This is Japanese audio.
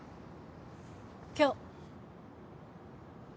今日。